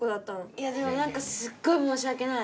いやでも何かすっごい申し訳ない。